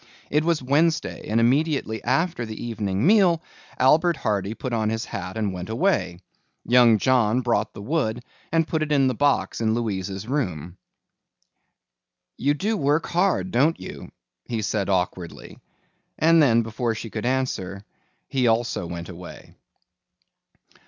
It was Wednesday and immediately after the evening meal Albert Hardy put on his hat and went away. Young John brought the wood and put it in the box in Louise's room. "You do work hard, don't you?" he said awkwardly, and then before she could answer he also went away.